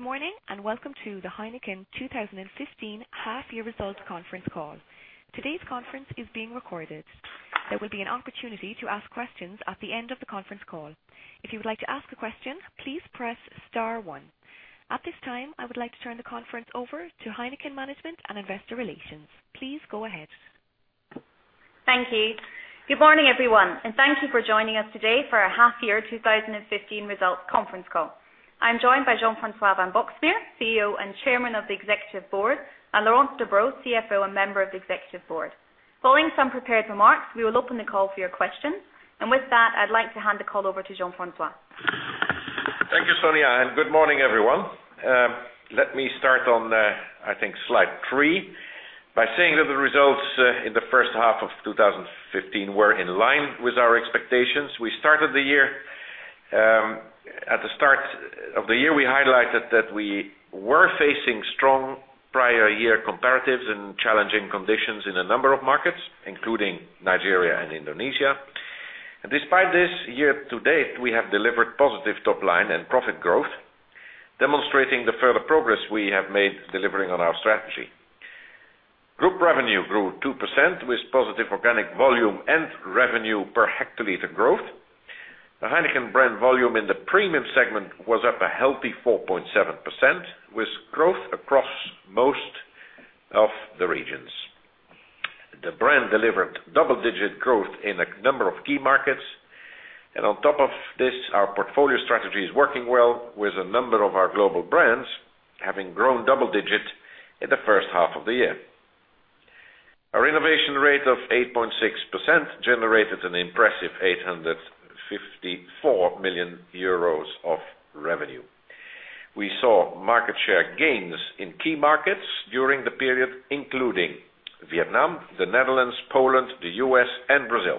Good morning. Welcome to the Heineken 2015 half year results conference call. Today's conference is being recorded. There will be an opportunity to ask questions at the end of the conference call. If you would like to ask a question, please press star one. At this time, I would like to turn the conference over to Heineken management and investor relations. Please go ahead. Thank you. Good morning, everyone. Thank you for joining us today for our half year 2015 results conference call. I'm joined by Jean-François van Boxmeer, CEO and Chairman of the Executive Board, and Laurence Debroux, CFO, a member of the Executive Board. Following some prepared remarks, we will open the call for your questions. With that, I'd like to hand the call over to Jean-François. Thank you, Sonya. Good morning, everyone. Let me start on, I think slide three, by saying that the results in the first half of 2015 were in line with our expectations. At the start of the year, we highlighted that we were facing strong prior year comparatives and challenging conditions in a number of markets, including Nigeria and Indonesia. Despite this, year-to-date, we have delivered positive top line and profit growth, demonstrating the further progress we have made delivering on our strategy. Group revenue grew 2% with positive organic volume and revenue per hectoliter growth. The Heineken brand volume in the premium segment was up a healthy 4.7%, with growth across most of the regions. The brand delivered double-digit growth in a number of key markets. On top of this, our portfolio strategy is working well with a number of our global brands having grown double digit in the first half of the year. Our innovation rate of 8.6% generated an impressive 854 million euros of revenue. We saw market share gains in key markets during the period, including Vietnam, the Netherlands, Poland, the U.S., and Brazil.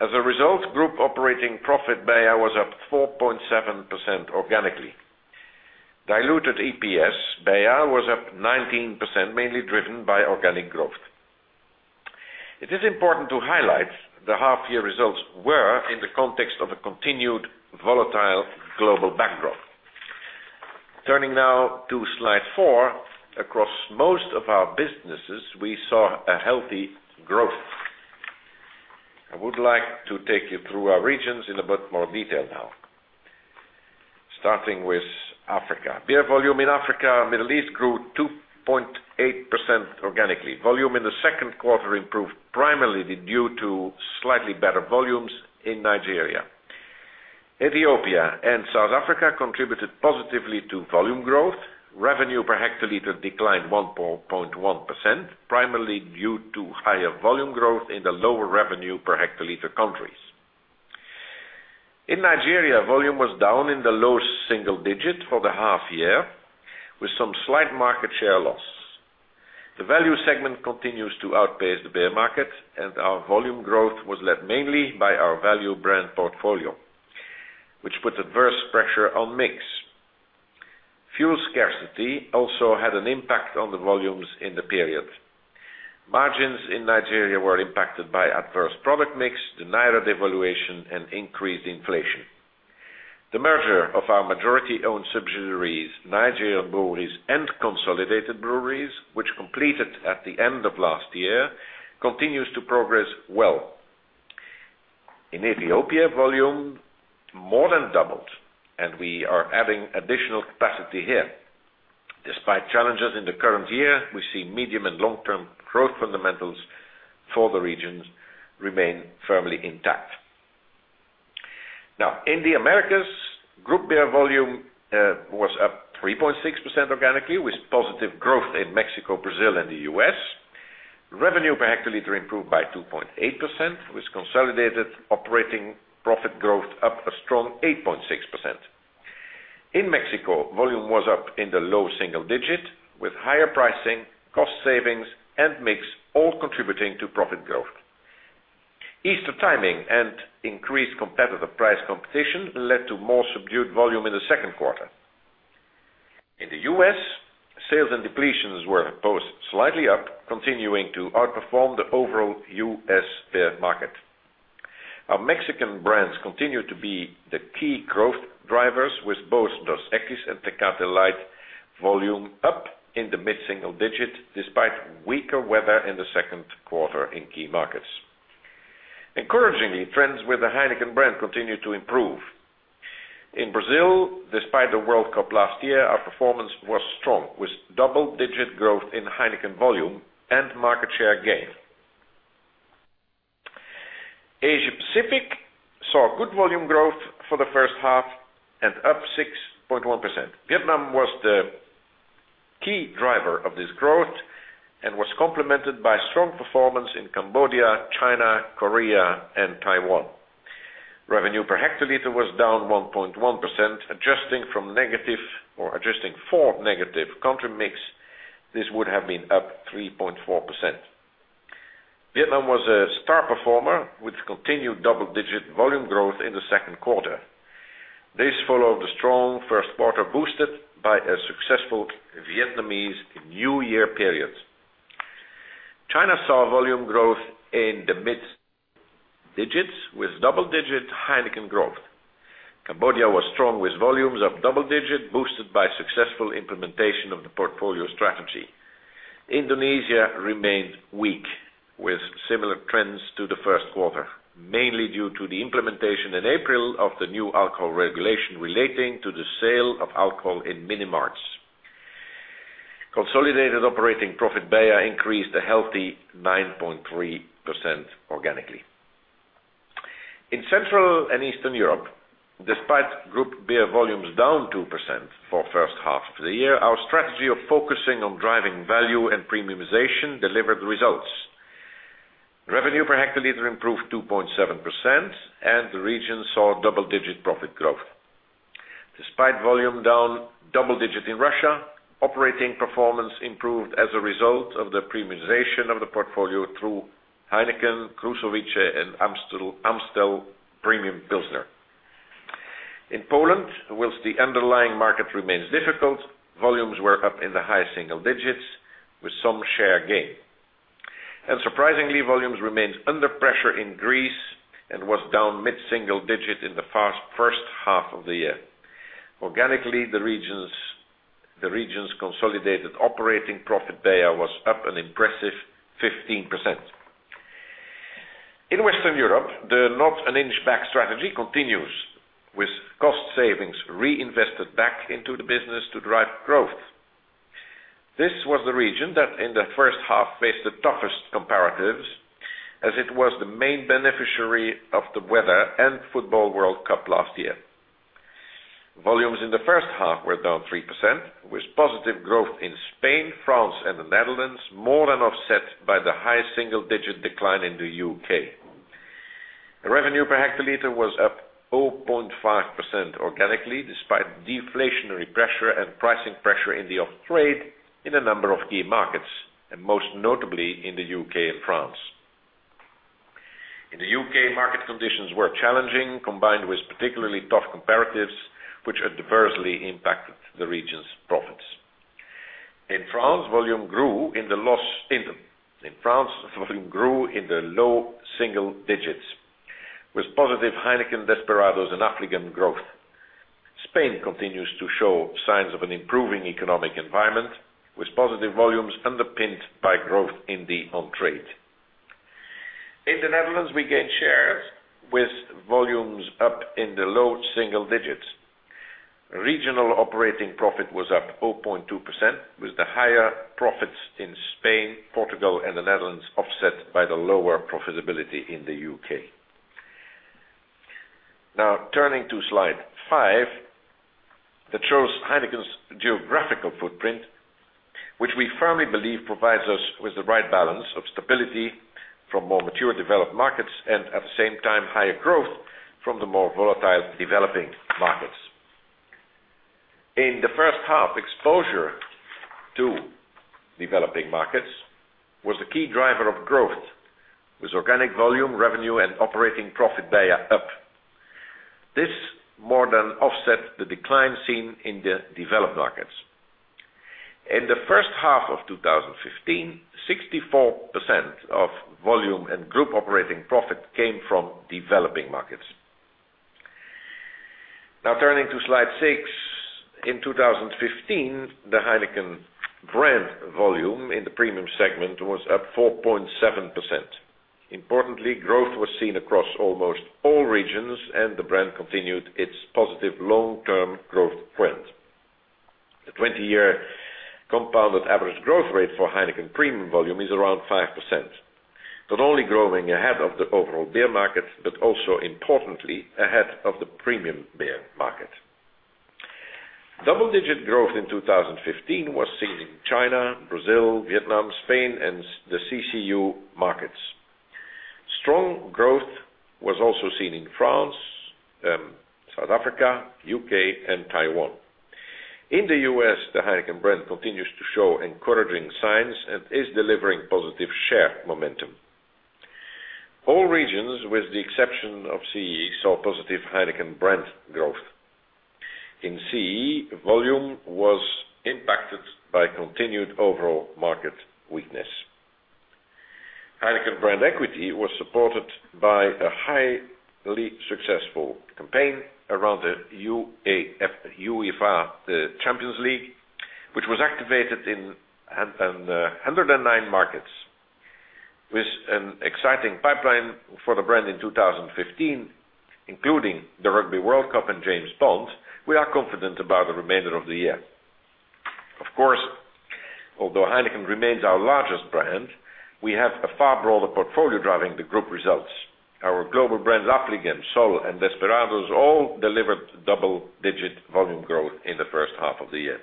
As a result, group operating profit beer was up 4.7% organically. Diluted EPS beer was up 19%, mainly driven by organic growth. It is important to highlight the half year results were in the context of a continued volatile global backdrop. Turning now to slide four. Across most of our businesses, we saw a healthy growth. I would like to take you through our regions in a bit more detail now. Starting with Africa. Beer volume in Africa, Middle East grew 2.8% organically. Volume in the second quarter improved primarily due to slightly better volumes in Nigeria. Ethiopia and South Africa contributed positively to volume growth. Revenue per hectoliter declined 1.1%, primarily due to higher volume growth in the lower revenue per hectoliter countries. In Nigeria, volume was down in the low single digit for the half year with some slight market share loss. The value segment continues to outpace the beer market. Our volume growth was led mainly by our value brand portfolio, which put adverse pressure on mix. Fuel scarcity also had an impact on the volumes in the period. Margins in Nigeria were impacted by adverse product mix, the Naira devaluation, and increased inflation. The merger of our majority-owned subsidiaries, Nigerian Breweries and Consolidated Breweries, which completed at the end of last year, continues to progress well. In Ethiopia, volume more than doubled. We are adding additional capacity here. Despite challenges in the current year, we see medium and long-term growth fundamentals for the regions remain firmly intact. In the Americas, group beer volume was up 3.6% organically, with positive growth in Mexico, Brazil, and the U.S. Revenue per hectoliter improved by 2.8%, with consolidated operating profit growth up a strong 8.6%. In Mexico, volume was up in the low single digit with higher pricing, cost savings and mix all contributing to profit growth. Easter timing and increased competitor price competition led to more subdued volume in the second quarter. In the U.S., sales and depletions were both slightly up, continuing to outperform the overall U.S. beer market. Our Mexican brands continue to be the key growth drivers, with both Dos Equis and Tecate Light volume up in the mid-single digit despite weaker weather in the second quarter in key markets. Encouragingly, trends with the Heineken brand continue to improve. In Brazil, despite the World Cup last year, our performance was strong with double-digit growth in Heineken volume and market share gain. Asia Pacific saw good volume growth for the first half and up 6.1%. Vietnam was the key driver of this growth and was complemented by strong performance in Cambodia, China, Korea, and Taiwan. Revenue per hectoliter was down 1.1%, adjusting for negative contra mix, this would have been up 3.4%. Vietnam was a star performer with continued double-digit volume growth in the second quarter. This followed a strong first quarter, boosted by a successful Vietnamese New Year period. China saw volume growth in the mid digits with double-digit Heineken growth. Cambodia was strong with volumes of double digit boosted by successful implementation of the portfolio strategy. Indonesia remained weak with similar trends to the first quarter, mainly due to the implementation in April of the new alcohol regulation relating to the sale of alcohol in minimarts. Consolidated operating profit, BEIA, increased a healthy 9.3% organically. In Central and Eastern Europe, despite group beer volumes down 2% for first half of the year, our strategy of focusing on driving value and premiumization delivered results. Revenue per hectoliter improved 2.7%. The region saw double-digit profit growth. Despite volume down double digit in Russia, operating performance improved as a result of the premiumization of the portfolio through Heineken, Krušovice, and Amstel premium Pilsner. In Poland, whilst the underlying market remains difficult, volumes were up in the high single digits with some share gain. Surprisingly, volumes remained under pressure in Greece and were down mid-single digit in the first half of the year. Organically, the region's consolidated operating profit, BEIA, was up an impressive 15%. In Western Europe, the not an inch back strategy continues with cost savings reinvested back into the business to drive growth. This was the region that, in the first half, faced the toughest comparatives as it was the main beneficiary of the weather and FIFA World Cup last year. Volumes in the first half were down 3%, with positive growth in Spain, France, and the Netherlands more than offset by the high single-digit decline in the U.K. Revenue per hectoliter was up 0.5% organically, despite deflationary pressure and pricing pressure in the off-trade in a number of key markets, and most notably in the U.K. and France. In the U.K., market conditions were challenging, combined with particularly tough comparatives which adversely impacted the region's profits. In France, volume grew in the low single digits with positive Heineken, Desperados, and Affligem growth. Spain continues to show signs of an improving economic environment with positive volumes underpinned by growth in the on-trade. In the Netherlands, we gained shares with volumes up in the low single digits. Regional operating profit was up 0.2% with the higher profits in Spain, Portugal, and the Netherlands offset by the lower profitability in the U.K. Turning to slide five that shows Heineken's geographical footprint, which we firmly believe provides us with the right balance of stability from more mature developed markets and at the same time higher growth from the more volatile developing markets. In the first half, exposure to developing markets was the key driver of growth with organic volume revenue and operating profit BEIA up. This more than offset the decline seen in the developed markets. In the first half of 2015, 64% of volume and group operating profit came from developing markets. Turning to slide six. In 2015, the Heineken brand volume in the premium segment was up 4.7%. Importantly, growth was seen across almost all regions and the brand continued its positive long-term growth trend. The 20-year compounded average growth rate for Heineken premium volume is around 5%. Not only growing ahead of the overall beer market, but also importantly ahead of the premium beer market. Double-digit growth in 2015 was seen in China, Brazil, Vietnam, Spain, and the CCU markets. Strong growth was also seen in France, South Africa, U.K., and Taiwan. In the U.S., the Heineken brand continues to show encouraging signs and is delivering positive share momentum. All regions, with the exception of CEE, saw positive Heineken brand growth. In CEE, volume was impacted by continued overall market weakness. Heineken brand equity was supported by a highly successful campaign around the UEFA Champions League, which was activated in 109 markets. With an exciting pipeline for the brand in 2015, including the Rugby World Cup and James Bond, we are confident about the remainder of the year. Of course, although Heineken remains our largest brand, we have a far broader portfolio driving the group results. Our global brands, Affligem, Sol, and Desperados all delivered double-digit volume growth in the first half of the year.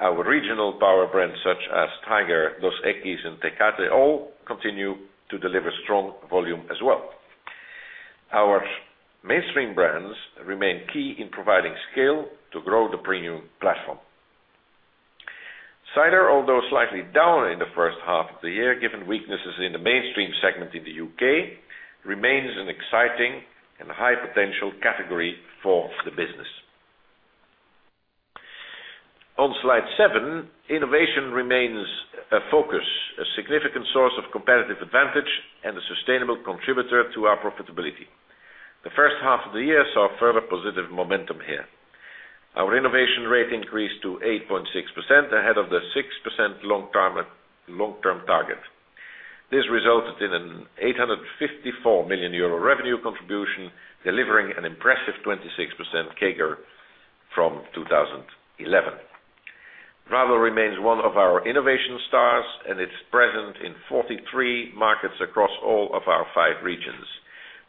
Our regional power brands such as Tiger, Dos Equis, and Tecate all continue to deliver strong volume as well. Our mainstream brands remain key in providing scale to grow the premium platform. Cider, although slightly down in the first half of the year, given weaknesses in the mainstream segment in the U.K., remains an exciting and high potential category for the business. On slide seven, innovation remains a focus, a significant source of competitive advantage, and a sustainable contributor to our profitability. The first half of the year saw further positive momentum here. Our innovation rate increased to 8.6%, ahead of the 6% long-term target. This resulted in an 854 million euro revenue contribution, delivering an impressive 26% CAGR from 2011. Radler remains one of our innovation stars, and it is present in 43 markets across all of our five regions.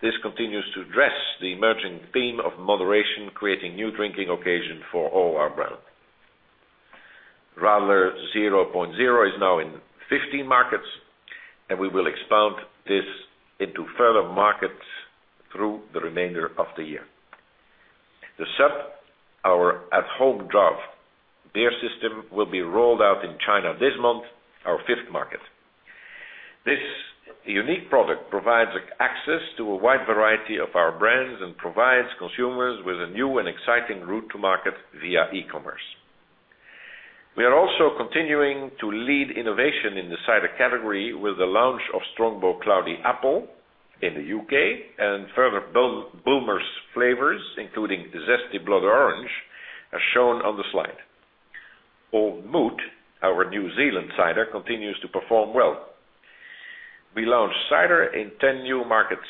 This continues to address the emerging theme of moderation, creating new drinking occasions for all our brands. Radler 0.0 is now in 15 markets, and we will expand this into further markets through the remainder of the year. The Sub, our at-home draft beer system, will be rolled out in China this month, our fifth market. This unique product provides access to a wide variety of our brands and provides consumers with a new and exciting route to market via e-commerce. We are also continuing to lead innovation in the cider category with the launch of Strongbow Cloudy Apple in the U.K., and further Bulmers flavors, including zesty blood orange, as shown on the slide. Old Mout, our New Zealand cider, continues to perform well. We launched cider in 10 new markets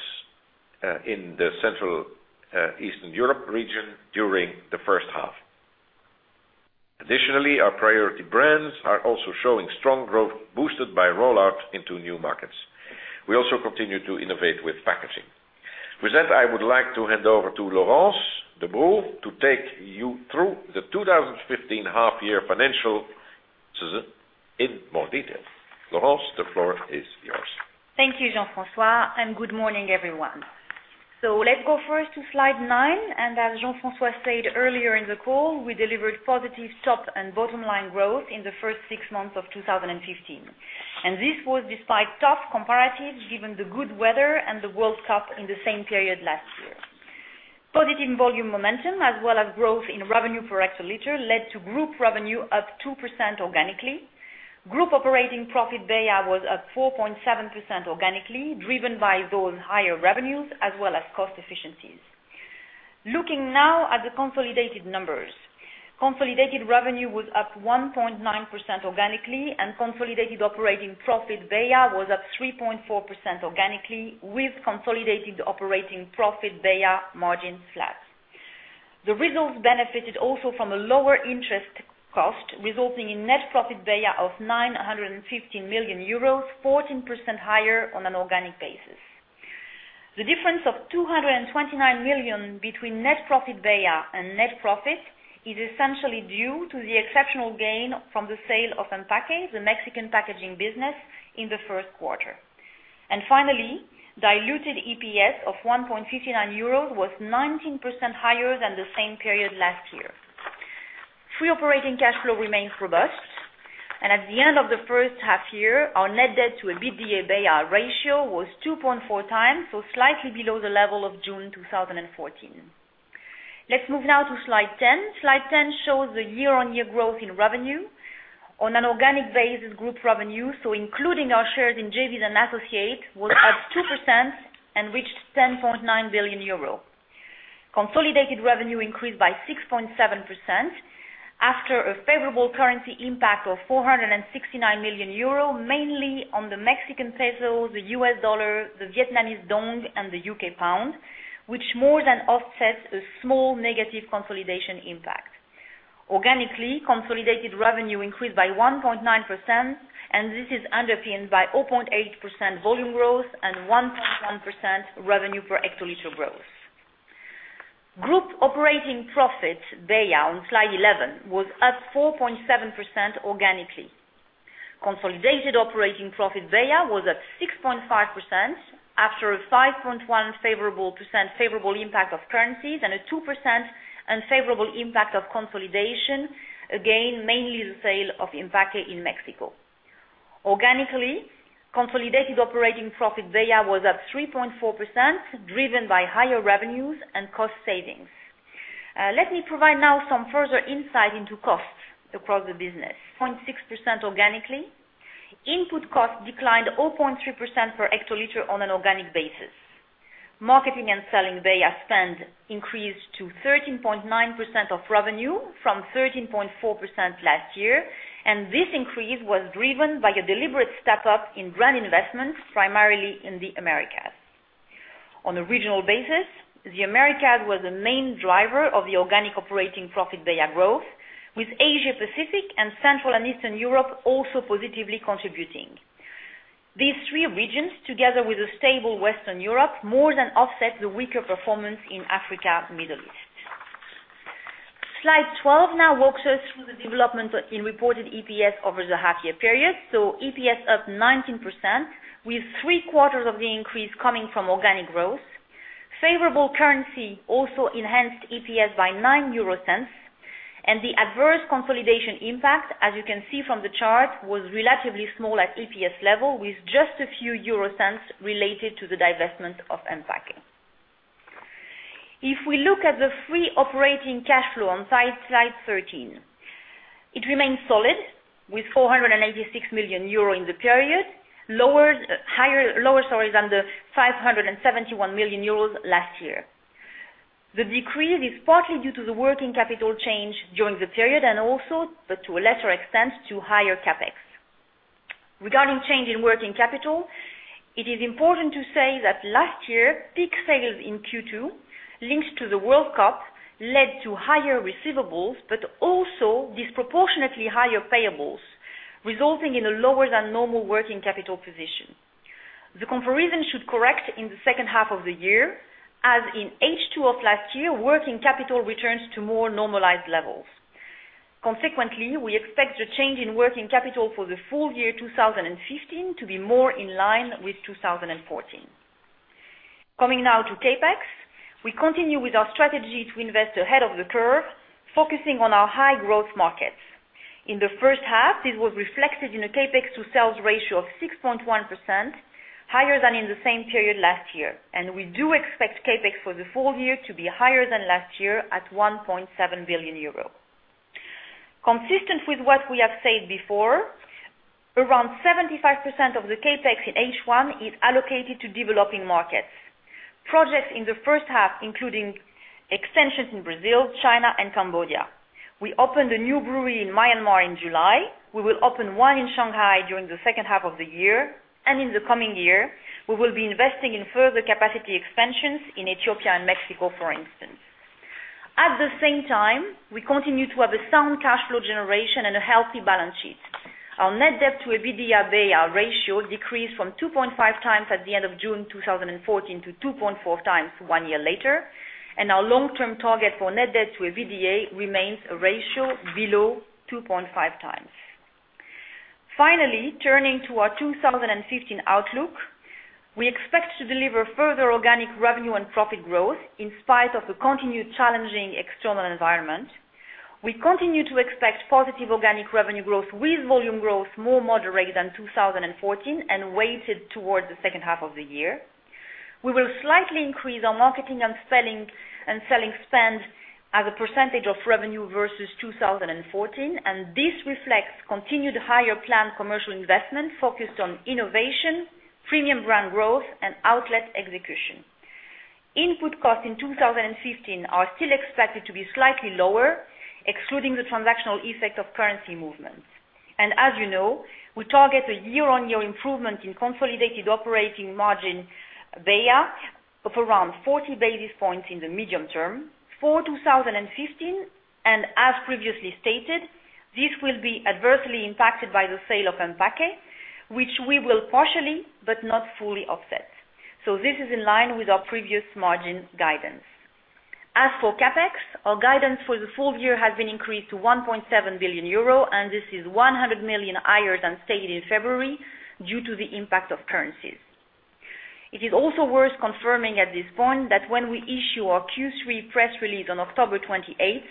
in the Central Eastern Europe region during the first half. Additionally, our priority brands are also showing strong growth, boosted by rollout into new markets. We also continue to innovate with packaging. With that, I would like to hand over to Laurence Debroux to take you through the 2015 half year financials in more detail. Laurence, the floor is yours. Thank you, Jean-François, and good morning, everyone. Let us go first to slide nine. As Jean-François said earlier in the call, we delivered positive top and bottom-line growth in the first six months of 2015. This was despite tough comparatives, given the good weather and the World Cup in the same period last year. Positive volume momentum, as well as growth in revenue per hectoliter, led to group revenue up 2% organically. Group operating profit BEIA was up 4.7% organically, driven by those higher revenues as well as cost efficiencies. Looking now at the consolidated numbers. Consolidated revenue was up 1.9% organically, and consolidated operating profit BEIA was up 3.4% organically, with consolidated operating profit BEIA margin flat. The results benefited also from a lower interest cost, resulting in net profit BEIA of 915 million euros, 14% higher on an organic basis. The difference of 229 million between net profit BEIA and net profit is essentially due to the exceptional gain from the sale of Empaque, the Mexican packaging business, in the first quarter. Finally, diluted EPS of €1.59 was 19% higher than the same period last year. Free operating cash flow remains robust, and at the end of the first half year, our net debt to EBITDA BEIA ratio was 2.4 times, so slightly below the level of June 2014. Let us move now to slide 10. Slide 10 shows the year-on-year growth in revenue. On an organic basis, group revenue, including our shares in JVs and associates, was up 2% and reached €10.9 billion. Consolidated revenue increased by 6.7% after a favorable currency impact of €469 million, mainly on the Mexican peso, the US dollar, the Vietnamese đồng, and the UK pound, which more than offsets a small negative consolidation impact. Organically, consolidated revenue increased by 1.9%. This is underpinned by 0.8% volume growth and 1.1% revenue per hectoliter growth. Group operating profit BEIA, on slide 11, was up 4.7% organically. Consolidated operating profit BEIA was up 6.5% after a 5.1% favorable impact of currencies and a 2% unfavorable impact of consolidation, again mainly the sale of Empaque in Mexico. Organically, consolidated operating profit BEIA was up 3.4%, driven by higher revenues and cost savings. Let me provide now some further insight into costs across the business. Costs increased 6.6% organically. Input costs declined 0.3% per hectoliter on an organic basis. Marketing and selling BEIA spend increased to 13.9% of revenue from 13.4% last year. This increase was driven by a deliberate step up in brand investments, primarily in the Americas. On a regional basis, the Americas was the main driver of the organic operating profit BEIA growth, with Asia Pacific and Central and Eastern Europe also positively contributing. These three regions, together with a stable Western Europe, more than offset the weaker performance in Africa, Middle East. Slide 12 now walks us through the development in reported EPS over the half year period. EPS up 19%, with three-quarters of the increase coming from organic growth. Favorable currency also enhanced EPS by €0.09. The adverse consolidation impact, as you can see from the chart, was relatively small at EPS level, with just a few euro cents related to the divestment of Empaque. We look at the free operating cash flow on slide 13. It remains solid with €486 million in the period, lower than the €571 million last year. The decrease is partly due to the working capital change during the period, and also, but to a lesser extent, to higher CapEx. Regarding change in working capital, it is important to say that last year, peak sales in Q2 linked to the FIFA World Cup led to higher receivables, but also disproportionately higher payables, resulting in a lower than normal working capital position. The comparison should correct in the second half of the year. As in H2 of last year, working capital returns to more normalized levels. Consequently, we expect the change in working capital for the full year 2015 to be more in line with 2014. Let us come now to CapEx. We continue with our strategy to invest ahead of the curve, focusing on our high growth markets. In the first half, this was reflected in a CapEx to sales ratio of 6.1%, higher than in the same period last year. We do expect CapEx for the full year to be higher than last year at €1.7 billion. Consistent with what we have said before, around 75% of the CapEx in H1 is allocated to developing markets. Projects in the first half, including extensions in Brazil, China, and Cambodia. We opened a new brewery in Myanmar in July. We will open one in Shanghai during the second half of the year. In the coming year, we will be investing in further capacity expansions in Ethiopia and Mexico, for instance. At the same time, we continue to have a sound cash flow generation and a healthy balance sheet. Our net debt to EBITDA ratio decreased from 2.5 times at the end of June 2014 to 2.4 times one year later. Our long-term target for net debt to EBITDA remains a ratio below 2.5 times. Finally, turning to our 2015 outlook. We expect to deliver further organic revenue and profit growth in spite of the continued challenging external environment. We continue to expect positive organic revenue growth with volume growth more moderate than 2014 and weighted towards the second half of the year. We will slightly increase our marketing and selling spend as a percentage of revenue versus 2014, and this reflects continued higher planned commercial investment focused on innovation, premium brand growth, and outlet execution. Input costs in 2015 are still expected to be slightly lower, excluding the transactional effect of currency movements. As you know, we target a year-on-year improvement in consolidated operating margin BEIA of around 40 basis points in the medium term. For 2015, and as previously stated, this will be adversely impacted by the sale of Empaque, which we will partially, but not fully offset. This is in line with our previous margin guidance. As for CapEx, our guidance for the full year has been increased to €1.7 billion, and this is 100 million higher than stated in February due to the impact of currencies. It is also worth confirming at this point that when we issue our Q3 press release on October 28th,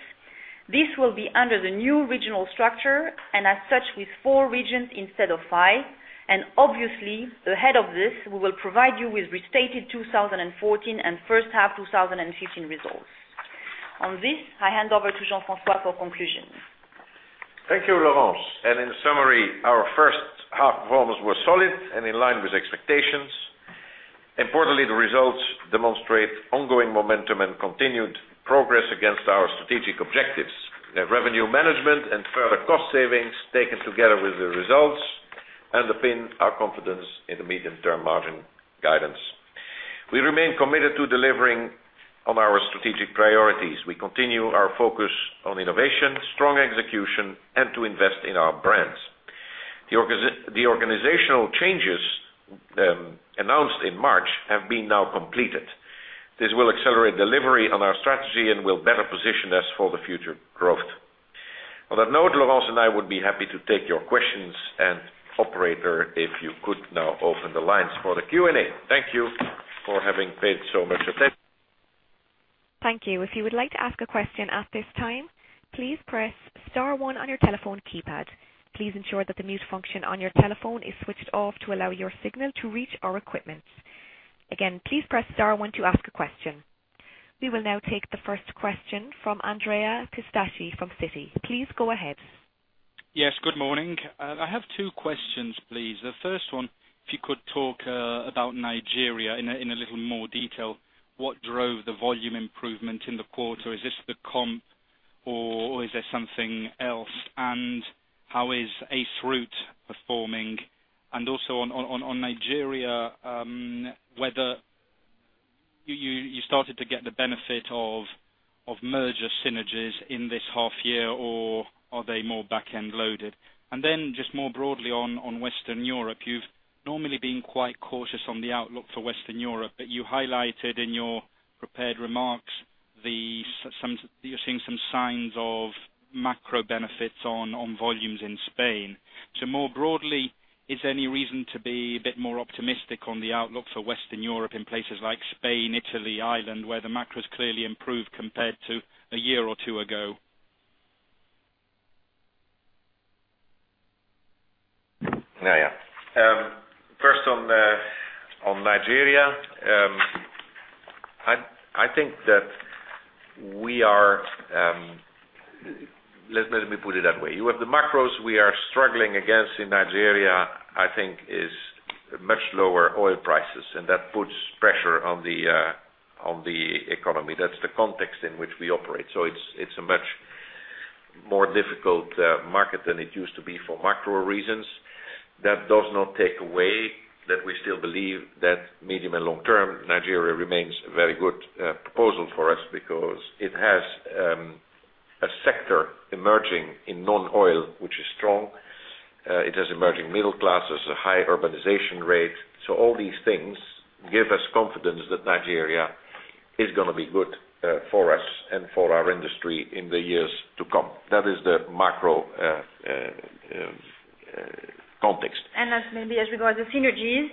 this will be under the new regional structure and as such with four regions instead of five. Obviously, ahead of this, we will provide you with restated 2014 and first half 2015 results. On this, I hand over to Jean-François for conclusion. Thank you, Laurence. In summary, our first half performance was solid and in line with expectations. Importantly, the results demonstrate ongoing momentum and continued progress against our strategic objectives. Revenue management and further cost savings, taken together with the results, underpin our confidence in the medium-term margin guidance. We remain committed to delivering on our strategic priorities. We continue our focus on innovation, strong execution, and to invest in our brands. The organizational changes announced in March have been now completed. This will accelerate delivery on our strategy and will better position us for the future growth. On that note, Laurence and I would be happy to take your questions. Operator, if you could now open the lines for the Q&A. Thank you for having paid so much attention. Thank you. If you would like to ask a question at this time, please press *1 on your telephone keypad. Please ensure that the mute function on your telephone is switched off to allow your signal to reach our equipment. Again, please press *1 to ask a question. We will now take the first question from Andrea Pistacchi from Citi. Please go ahead. Yes, good morning. I have two questions, please. The first one, if you could talk about Nigeria in a little more detail. What drove the volume improvement in the quarter? Is this the comp or is there something else? How is Ace Roots performing? Also on Nigeria, whether you started to get the benefit of merger synergies in this half year, or are they more back-end loaded? Just more broadly on Western Europe, you've normally been quite cautious on the outlook for Western Europe, but you highlighted in your prepared remarks that you're seeing some signs of macro benefits on volumes in Spain. More broadly, is there any reason to be a bit more optimistic on the outlook for Western Europe in places like Spain, Italy, Ireland, where the macro's clearly improved compared to a year or two ago? First, on Nigeria. Let me put it that way. The macros we are struggling against in Nigeria, I think is much lower oil prices, that puts pressure on the economy. That's the context in which we operate. It's a much more difficult market than it used to be for macro reasons. That does not take away that we still believe that medium and long term, Nigeria remains a very good proposal for us because it has a sector emerging in non-oil, which is strong. It has emerging middle classes, a high urbanization rate. All these things give us confidence that Nigeria is going to be good for us and for our industry in the years to come. That is the macro context. Maybe as we go as the synergies.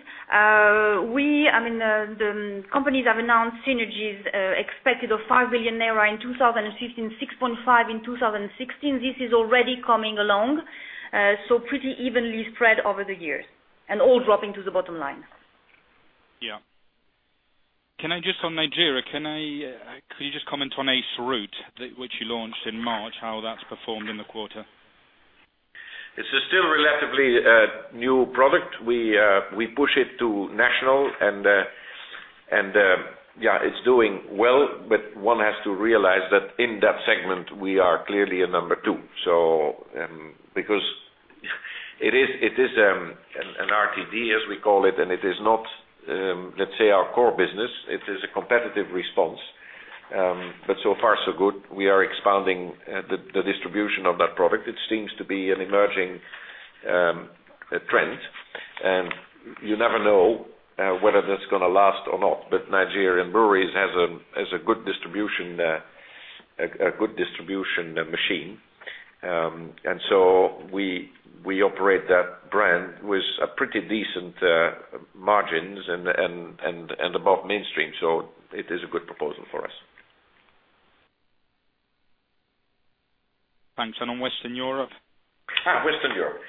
The companies have announced synergies expected of 5 billion naira in 2015, 6.5 billion in 2016. This is already coming along. Pretty evenly spread over the years and all dropping to the bottom line. Yeah. Just on Nigeria, could you just comment on Ace Roots, which you launched in March, how that's performed in the quarter? It's still a relatively new product. We push it to national and it's doing well. One has to realize that in that segment, we are clearly a number 2. It is an RTD, as we call it, and it is not, let's say, our core business. It is a competitive response. So far, so good. We are expanding the distribution of that product. It seems to be an emerging trend. You never know whether that's going to last or not. Nigerian Breweries has a good distribution machine. We operate that brand with pretty decent margins and above mainstream. It is a good proposal for us. Thanks. On Western Europe? Western Europe.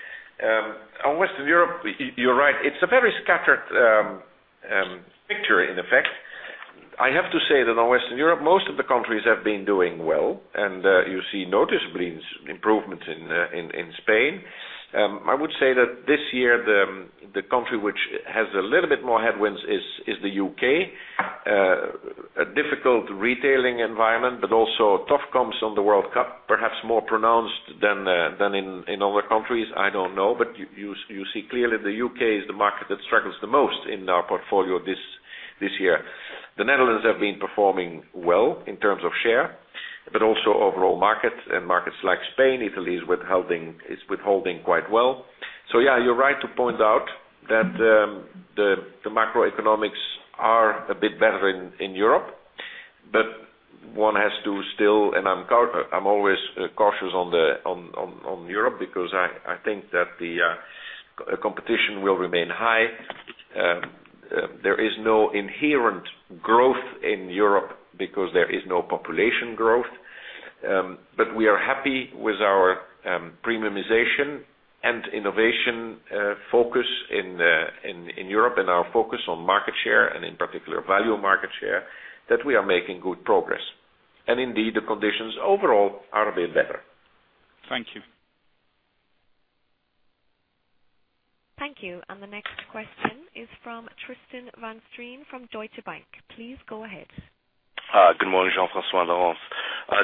On Western Europe, you're right. It's a very scattered picture, in effect. I have to say that on Western Europe, most of the countries have been doing well, and you see noticeable improvements in Spain. I would say that this year, the country which has a little bit more headwinds is the U.K. A difficult retailing environment, but also tough comps on the World Cup, perhaps more pronounced than in other countries, I don't know. You see clearly the U.K. is the market that struggles the most in our portfolio this year. The Netherlands have been performing well in terms of share, but also overall markets and markets like Spain, Italy is withholding quite well. Yeah, you're right to point out that the macroeconomics are a bit better in Europe, one has to still, I'm always cautious on Europe because I think that the competition will remain high. There is no inherent growth in Europe because there is no population growth. We are happy with our premiumization and innovation focus in Europe and our focus on market share, and in particular, value market share, that we are making good progress. Indeed, the conditions overall are a bit better. Thank you. Thank you. The next question is from Tristan van Strien from Deutsche Bank. Please go ahead. Good morning, Jean-François, Laurence.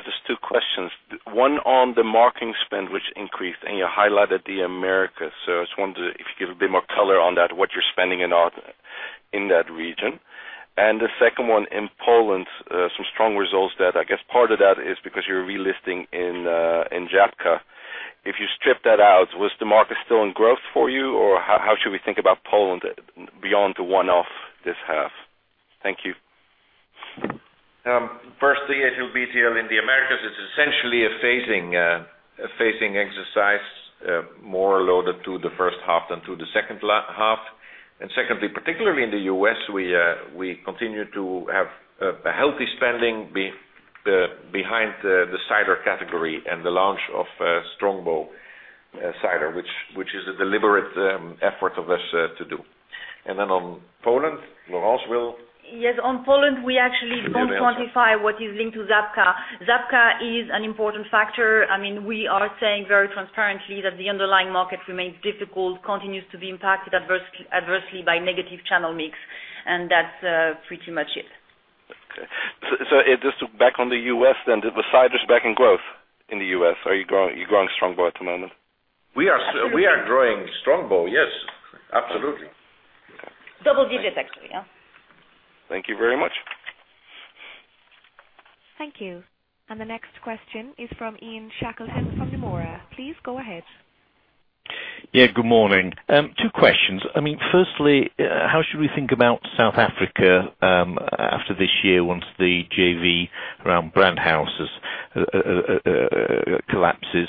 Just two questions. One on the marketing spend, which increased, and you highlighted the Americas. I just wondered if you could give a bit more color on that, what you're spending in that region. The second one in Poland, some strong results there. I guess part of that is because you're relisting in Żabka. If you strip that out, was the market still in growth for you, or how should we think about Poland beyond the one-off this half? Thank you. Firstly, it will be still in the Americas. It's essentially a phasing exercise, more loaded to the first half than to the second half. Secondly, particularly in the U.S., we continue to have a healthy spending behind the cider category and the launch of Strongbow Cider, which is a deliberate effort of us to do. Then on Poland, Laurence will- Yes. On Poland, we actually don't quantify what is linked to Żabka. Żabka is an important factor. We are saying very transparently that the underlying market remains difficult, continues to be impacted adversely by negative channel mix, and that's pretty much it. Okay. Just to back on the U.S. then, the cider is back in growth in the U.S. Are you growing Strongbow at the moment? We are growing Strongbow, yes. Absolutely. Double digits, actually. Thank you very much. Thank you. The next question is from Ian Shackleton from Nomura. Please go ahead. Good morning. Two questions. Firstly, how should we think about South Africa after this year, once the JV around Brandhouse collapses,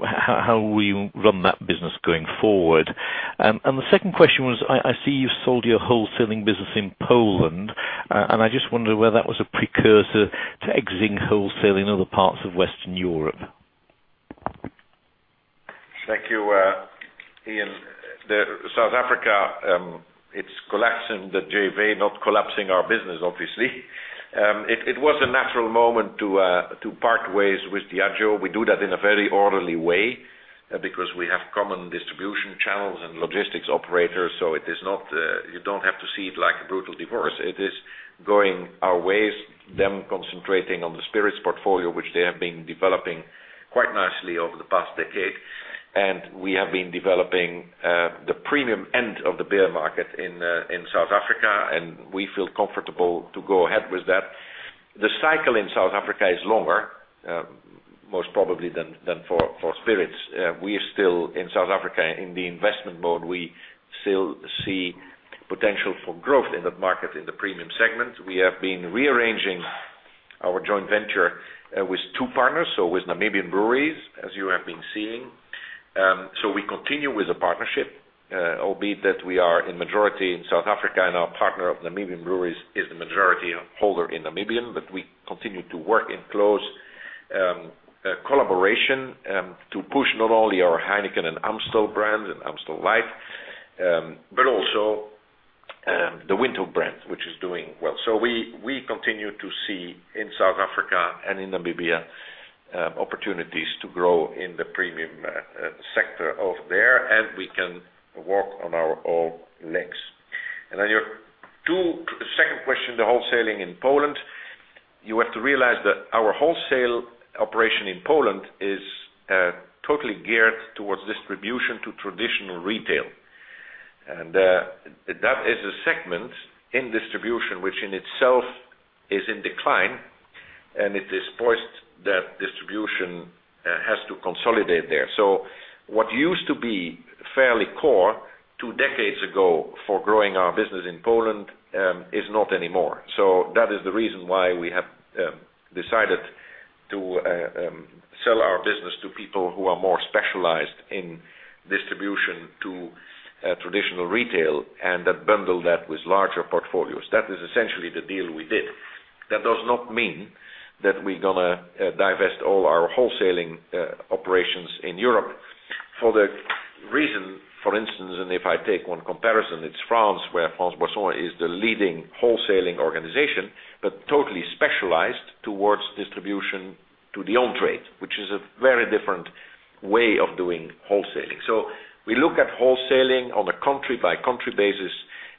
how will you run that business going forward? The second question was, I see you've sold your wholesaling business in Poland, I just wondered whether that was a precursor to exiting wholesale in other parts of Western Europe Thank you, Ian. South Africa, it's collapsing the JV, not collapsing our business, obviously. It was a natural moment to part ways with Diageo. We do that in a very orderly way because we have common distribution channels and logistics operators, so you don't have to see it like a brutal divorce. It is going our ways, them concentrating on the spirits portfolio, which they have been developing quite nicely over the past decade. We have been developing the premium end of the beer market in South Africa, and we feel comfortable to go ahead with that. The cycle in South Africa is longer, most probably than for spirits. We are still in South Africa in the investment mode. We still see potential for growth in that market in the premium segment. We have been rearranging our Joint Venture with two partners, with Namibia Breweries, as you have been seeing. We continue with the partnership, albeit that we are a majority in South Africa and our partner of Namibia Breweries is the majority holder in Namibia. We continue to work in close collaboration to push not only our Heineken and Amstel brand and Amstel Light but also the Windhoek brand, which is doing well. We continue to see in South Africa and in Namibia, opportunities to grow in the premium sector over there, and we can walk on our own legs. On your second question, the wholesaling in Poland, you have to realize that our wholesale operation in Poland is totally geared towards distribution to traditional retail. That is a segment in distribution, which in itself is in decline, and it is poised that distribution has to consolidate there. What used to be fairly core two decades ago for growing our business in Poland, is not anymore. That is the reason why we have decided to sell our business to people who are more specialized in distribution to traditional retail and that bundle that with larger portfolios. That is essentially the deal we did. That does not mean that we're going to divest all our wholesaling operations in Europe. For the reason, for instance, and if I take one comparison, it's France, where France Boissons is the leading wholesaling organization, but totally specialized towards distribution to the on-trade, which is a very different way of doing wholesaling. We look at wholesaling on a country-by-country basis,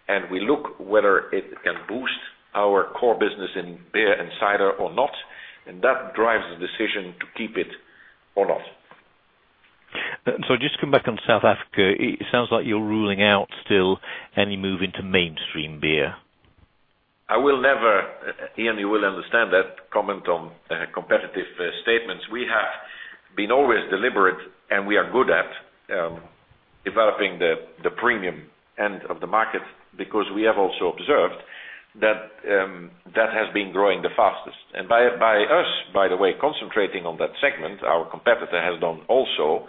and we look whether it can boost our core business in beer and cider or not, and that drives the decision to keep it or not. Just come back on South Africa. It sounds like you're ruling out still any move into mainstream beer. I will never, Ian, you will understand that, comment on competitive statements. We have been always deliberate, and we are good at developing the premium end of the market because we have also observed that has been growing the fastest. By us, by the way, concentrating on that segment, our competitor has done also.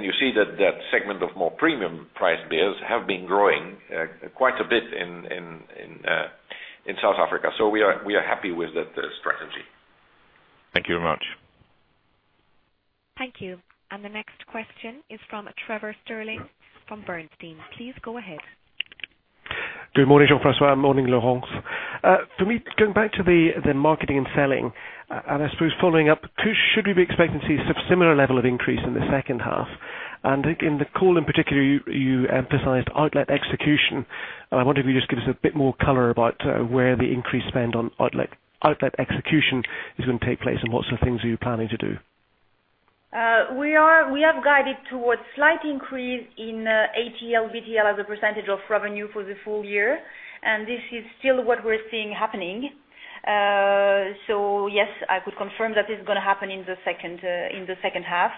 You see that that segment of more premium price beers have been growing quite a bit in South Africa. We are happy with that strategy. Thank you very much. Thank you. The next question is from Trevor Stirling from Bernstein. Please go ahead. Good morning, Jean-François, morning, Laurence. For me, going back to the marketing and selling, I suppose following up, should we be expecting to see similar level of increase in the second half? In the call, in particular, you emphasized outlet execution. I wonder if you could just give us a bit more color about where the increased spend on outlet execution is going to take place and what sort of things are you planning to do. We have guided towards slight increase in ATL, BTL as a percentage of revenue for the full year, this is still what we're seeing happening. Yes, I could confirm that it's going to happen in the second half.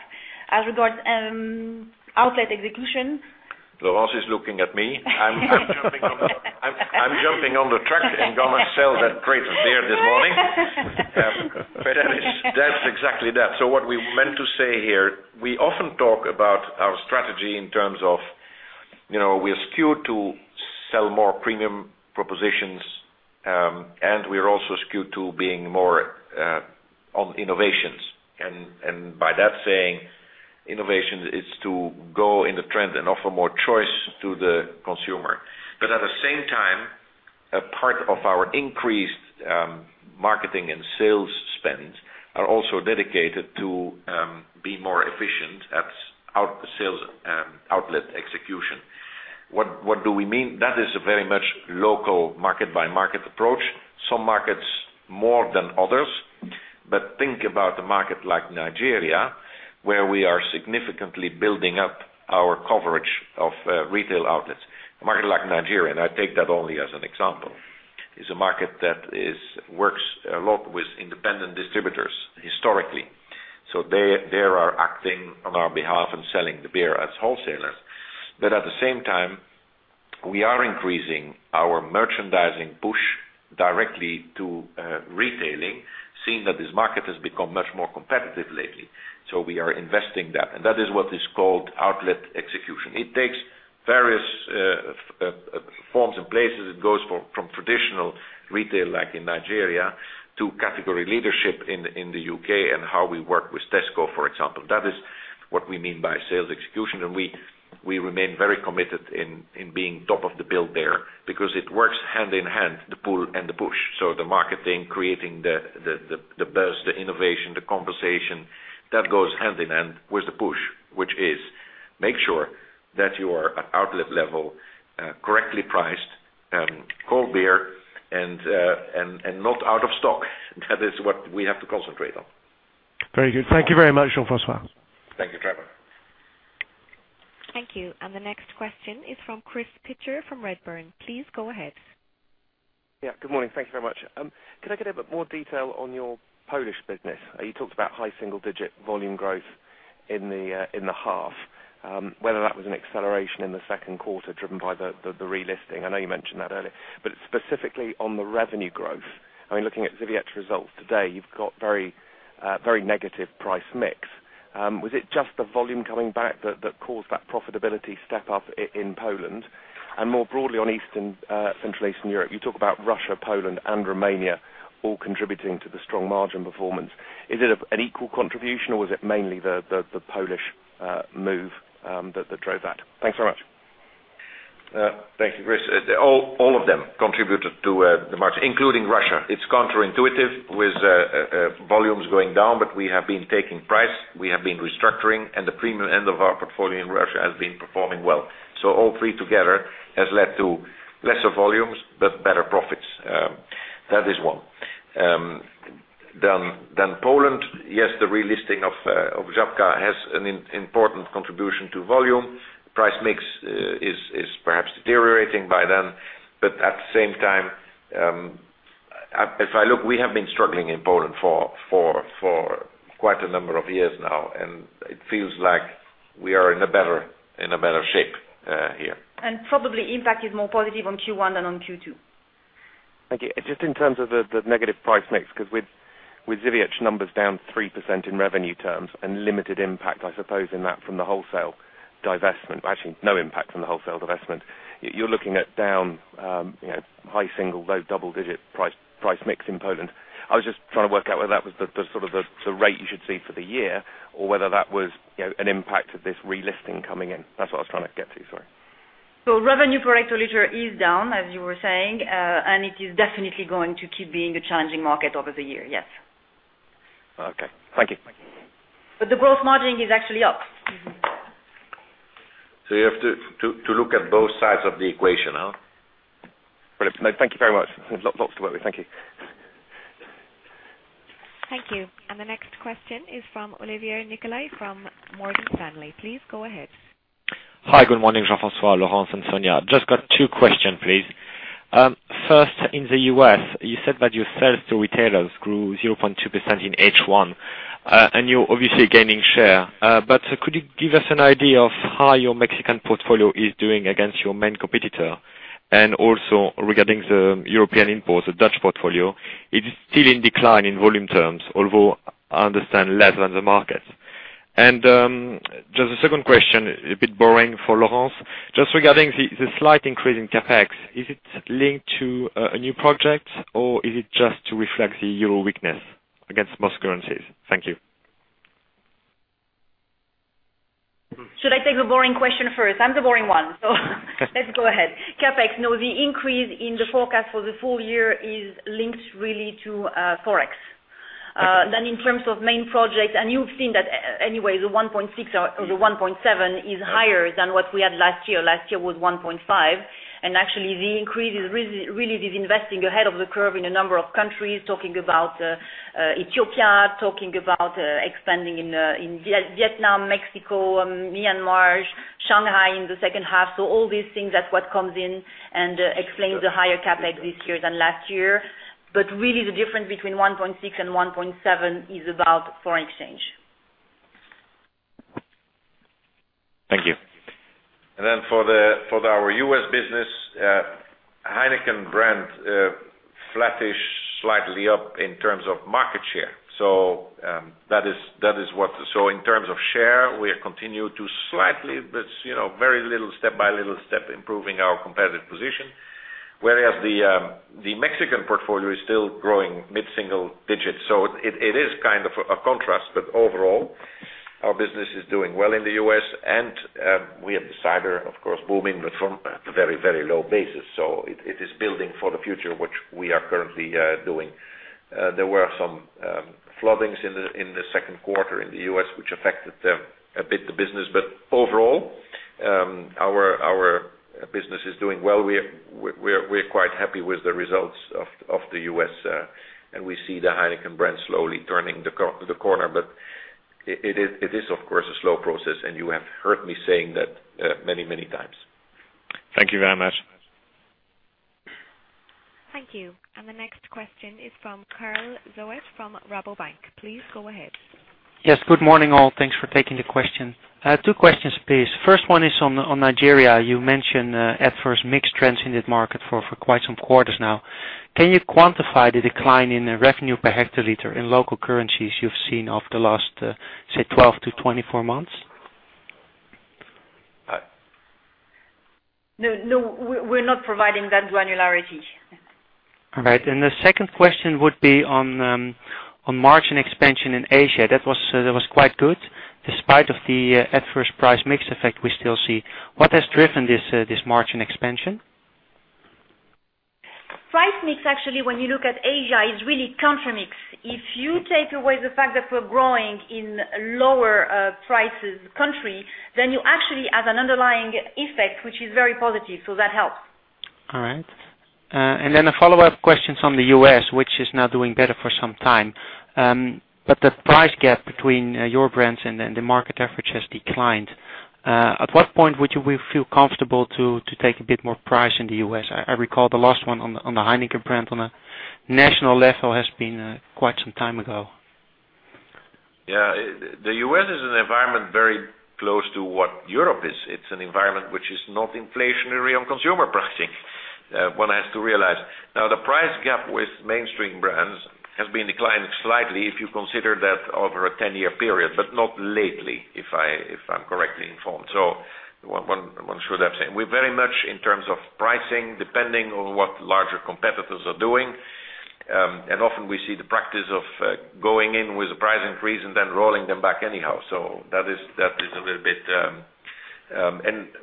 As regards outlet execution. Laurence is looking at me. I'm jumping on the truck and going to sell that crate of beer this morning. That's exactly that. What we meant to say here, we often talk about our strategy in terms of we are skewed to sell more premium propositions, we are also skewed to being more on innovations. By that saying, innovation is to go in the trend and offer more choice to the consumer. At the same time, a part of our increased marketing and sales spend are also dedicated to be more efficient at our sales outlet execution. What do we mean? That is a very much local market-by-market approach. Some markets more than others. Think about a market like Nigeria, where we are significantly building up our coverage of retail outlets. A market like Nigeria, I take that only as an example, is a market that works a lot with independent distributors historically. They are acting on our behalf and selling the beer as wholesalers. At the same time, we are increasing our merchandising push directly to retailing, seeing that this market has become much more competitive lately. We are investing that is what is called outlet execution. It takes various forms and places, it goes from traditional retail, like in Nigeria, to category leadership in the U.K. and how we work with Tesco, for example. That is what we mean by sales execution, we remain very committed in being top of the build there because it works hand in hand, the pull and the push. The marketing, creating the burst, the innovation, the conversation, that goes hand in hand with the push, which is make sure that you are at outlet level, correctly priced, cold beer, and not out of stock. That is what we have to concentrate on. Very good. Thank you very much, Jean-François. Thank you, Trevor. Thank you. The next question is from Chris Pitcher from Redburn. Please go ahead. Good morning. Thank you very much. Could I get a bit more detail on your Polish business? You talked about high single-digit volume growth in the half. Whether that was an acceleration in the second quarter driven by the relisting. I know you mentioned that earlier, specifically on the revenue growth. Looking at Żywiec results today, you've got very negative price mix. Was it just the volume coming back that caused that profitability step up in Poland? More broadly on Central Eastern Europe, you talk about Russia, Poland, and Romania all contributing to the strong margin performance. Is it an equal contribution or was it mainly the Polish move that drove that? Thanks very much. Thank you, Chris. All of them contributed to the margin, including Russia. It's counterintuitive with volumes going down, we have been taking price, we have been restructuring, the premium end of our portfolio in Russia has been performing well. All three together has led to lesser volumes, but better profits. That is one. Poland, yes, the relisting of Żabka has an important contribution to volume. Price mix is perhaps deteriorating by then, at the same time, if I look, we have been struggling in Poland for quite a number of years now, it feels like we are in a better shape here. Probably impact is more positive on Q1 than on Q2. Thank you. Just in terms of the negative price mix, because with Żywiec numbers down 3% in revenue terms, limited impact, I suppose, in that from the wholesale divestment. Actually, no impact from the wholesale divestment. You're looking at down high single, low double-digit price mix in Poland. I was just trying to work out whether that was the rate you should see for the year or whether that was an impact of this relisting coming in. That's what I was trying to get to. Sorry. Revenue per hectoliter is down, as you were saying, and it is definitely going to keep being a challenging market over the year. Yes. Okay. Thank you. The gross margin is actually up. You have to look at both sides of the equation. Brilliant. Thank you very much. Lots to work with. Thank you. Thank you. The next question is from Olivier Nicolai from Morgan Stanley. Please go ahead. Hi. Good morning, Jean-François, Laurence, and Sonya. Just got two question, please. First, in the U.S., you said that your sales to retailers grew 0.2% in H1. You're obviously gaining share. Could you give us an idea of how your Mexican portfolio is doing against your main competitor? Also regarding the European imports, the Dutch portfolio, it is still in decline in volume terms, although I understand less than the market. Just a second question, a bit boring for Laurence. Just regarding the slight increase in CapEx, is it linked to a new project or is it just to reflect the EUR weakness against most currencies? Thank you. Should I take the boring question first? I'm the boring one. Let's go ahead. CapEx, no, the increase in the forecast for the full year is linked really to Forex. In terms of main projects, you've seen that anyway, the 1.6 or the 1.7 is higher than what we had last year. Last year was 1.5. Actually the increase is really this investing ahead of the curve in a number of countries, talking about Ethiopia, talking about expanding in Vietnam, Mexico, Myanmar, Shanghai in the second half. All these things, that's what comes in and explains the higher CapEx this year than last year. Really the difference between 1.6 and 1.7 is about foreign exchange. Thank you. For our U.S. business, Heineken brand flattish, slightly up in terms of market share. In terms of share, we continue to slightly, but very little, step by little step, improving our competitive position. Whereas the Mexican portfolio is still growing mid-single digits. It is kind of a contrast, but overall, our business is doing well in the U.S. and we have cider, of course, booming, but from a very low basis. It is building for the future, which we are currently doing. There were some floodings in the second quarter in the U.S. which affected a bit the business. Overall, our business is doing well. We're quite happy with the results of the U.S., and we see the Heineken brand slowly turning the corner. It is, of course, a slow process, and you have heard me saying that many times. Thank you very much. Thank you. The next question is from Carl Zoet from Rabobank. Please go ahead. Yes. Good morning, all. Thanks for taking the question. Two questions, please. First one is on Nigeria. You mentioned adverse mixed trends in that market for quite some quarters now. Can you quantify the decline in revenue per hectoliter in local currencies you've seen over the last, say, 12-24 months? No, we're not providing that granularity. All right. The second question would be on margin expansion in Asia. That was quite good. Despite the adverse price mix effect we still see. What has driven this margin expansion? Price mix, actually, when you look at Asia, is really country mix. If you take away the fact that we're growing in lower priced countries, then you actually have an underlying effect, which is very positive. That helps. A follow-up question from the U.S., which is now doing better for some time. The price gap between your brands and the market average has declined. At what point would you feel comfortable to take a bit more price in the U.S.? I recall the last one on the Heineken brand on a national level has been quite some time ago. Yeah. The U.S. is an environment very close to what Europe is. It's an environment which is not inflationary on consumer pricing. One has to realize. The price gap with mainstream brands has been declining slightly if you consider that over a 10-year period, but not lately, if I'm correctly informed. One should have said. We're very much in terms of pricing, depending on what larger competitors are doing. Often we see the practice of going in with a price increase and then rolling them back anyhow.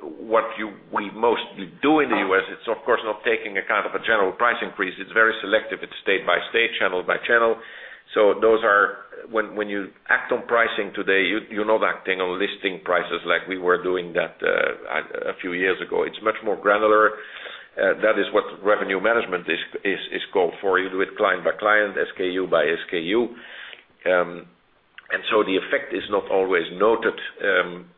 What we mostly do in the U.S., it's of course not taking a kind of a general price increase. It's very selective. It's state by state, channel by channel. When you act on pricing today, you're not acting on listing prices like we were doing that a few years ago. It's much more granular. That is what revenue management is called for. You do it client by client, SKU by SKU. The effect is not always noted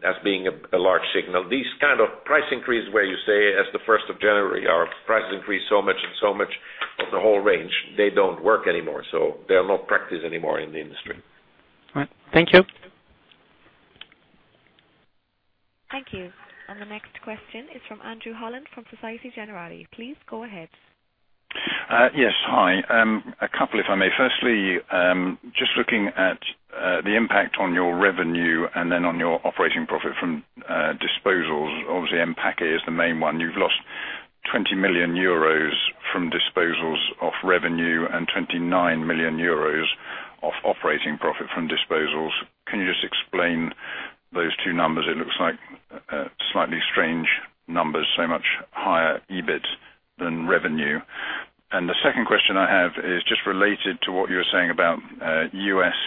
as being a large signal. These kind of price increases where you say, as the first of January, our prices increase so much and so much of the whole range, they don't work anymore. They are not practiced anymore in the industry. All right. Thank you. Thank you. The next question is from Andrew Holland, from Societe Generale. Please go ahead. Yes, hi. A couple, if I may. Firstly, just looking at the impact on your revenue and then on your operating profit from disposals. Obviously, Empaque is the main one. You've lost 20 million euros from disposals of revenue and 29 million euros of operating profit from disposals. Can you just explain those two numbers? It looks like slightly strange numbers, so much higher EBIT than revenue. The second question I have is just related to what you were saying about U.S.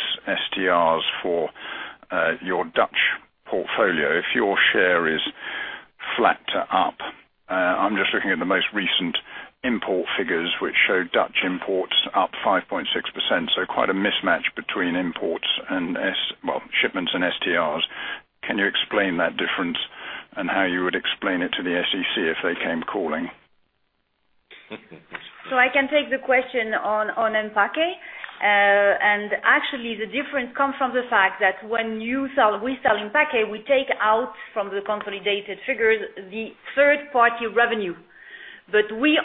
share for your Dutch portfolio. If your share is flat to up. I'm just looking at the most recent import figures, which show Dutch imports up 5.6%. Quite a mismatch between shipments and share. Can you explain that difference and how you would explain it to the SEC if they came calling? I can take the question on Empaque. Actually, the difference comes from the fact that when we sell Empaque, we take out from the consolidated figures, the third-party revenue. We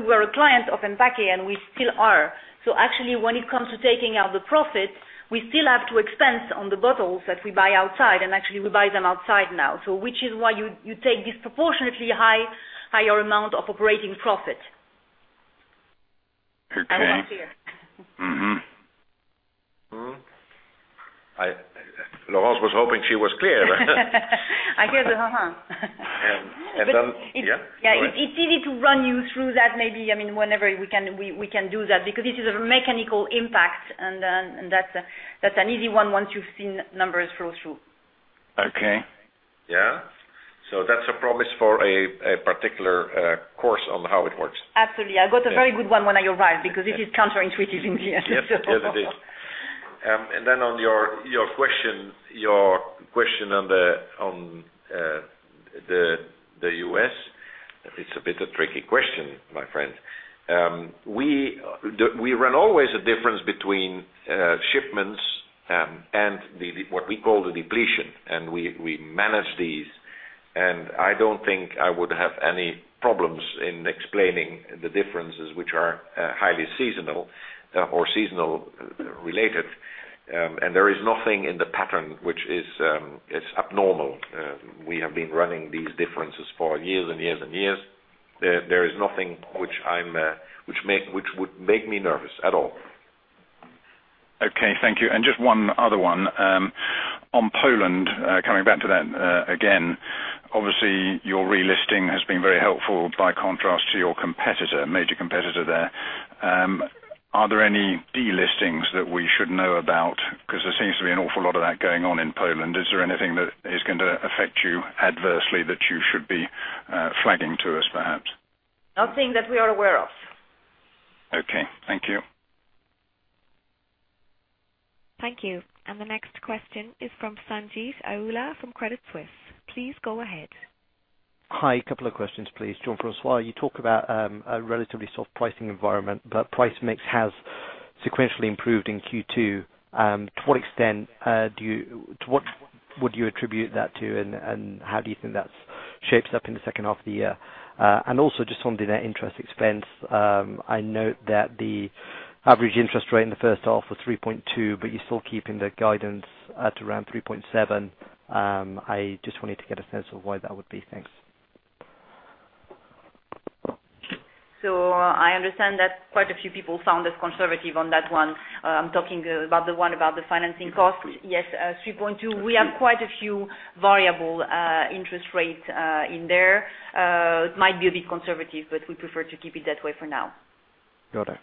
were a client of Empaque, and we still are. Actually, when it comes to taking out the profit, we still have to expense on the bottles that we buy outside, and actually we buy them outside now. Which is why you take disproportionately higher amount of operating profit. Okay. Laurence was hoping she was clear. I hear the. Then, yeah. It's easy to run you through that, maybe, whenever we can do that, because this is a mechanical impact, and that's an easy one once you've seen numbers flow through. Okay. Yeah. That's a promise for a particular course on how it works. Absolutely. I got a very good one when I arrived because it is counterintuitive indeed. Yes, it is. Then on your question on the US. It's a bit of a tricky question, my friend. We run always a difference between shipments and what we call the depletion, and we manage these, and I don't think I would have any problems in explaining the differences which are highly seasonal or seasonal related. There is nothing in the pattern which is abnormal. We have been running these differences for years and years and years. There is nothing which would make me nervous at all. Okay. Thank you. Just one other one. On Poland, coming back to that again. Obviously, your relisting has been very helpful by contrast to your competitor, major competitor there. Are there any delistings that we should know about? There seems to be an awful lot of that going on in Poland. Is there anything that is going to affect you adversely that you should be flagging to us perhaps? Nothing that we are aware of. Okay. Thank you. Thank you. The next question is from Sanjeet Aujla from Credit Suisse. Please go ahead. Hi. A couple of questions, please. Jean-François, you talk about a relatively soft pricing environment, but price mix has sequentially improved in Q2. To what extent would you attribute that to, and how do you think that shapes up in the second half of the year? Also just on the net interest expense, I note that the average interest rate in the first half was 3.2, but you're still keeping the guidance at around 3.7. I just wanted to get a sense of why that would be. Thanks. I understand that quite a few people found it conservative on that one. I'm talking about the one about the financing cost. Yes, 3.2. We have quite a few variable interest rates in there. It might be a bit conservative, but we prefer to keep it that way for now. Got it.